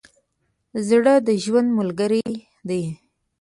زړه د ژوند ملګری دی.